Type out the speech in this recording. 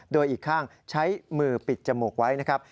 โดยอีกข้างใช้มือปิดจมูกไว้นะครับ